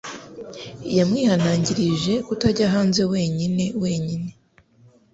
Yamwihanangirije kutajya hanze wenyine wenyine